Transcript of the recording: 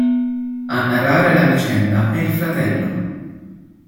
A narrare la vicenda è il fratello.